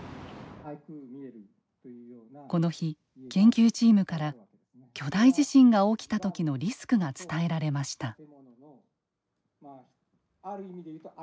この日、研究チームから巨大地震が起きたときのリスクが伝えられました。